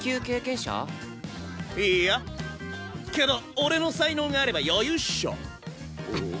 けど俺の才能があれば余裕っしょ。